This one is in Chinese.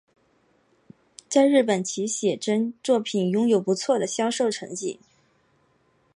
在日本其写真作品拥有不错的销售成绩。